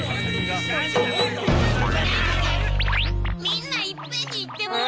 みんないっぺんに言っても！